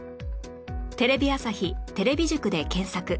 「テレビ朝日テレビ塾」で検索